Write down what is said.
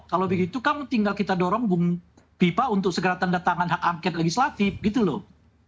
kalau begitu kamu tinggal kita dorong bipa untuk segera tanda tangan hak angket legislatif gitu loh